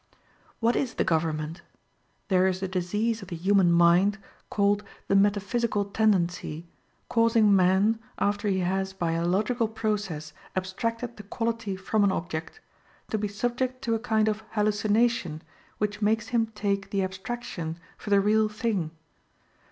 What is the government? There is a disease of the human mind called the metaphysical tendency, causing man, after he has by a logical process abstracted the quality from an object, to be subject to a kind of hallucination which makes him take the abstraction for the real thing.